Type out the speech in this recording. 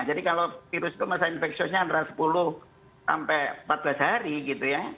jadi kalau virus itu masa infeksiusnya antara sepuluh sampai empat belas hari gitu ya